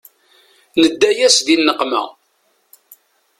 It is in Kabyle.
Nedda-yas di nneqma.